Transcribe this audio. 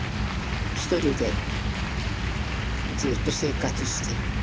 一人でずっと生活して。